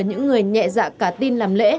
những người nhẹ dạ cả tin làm lễ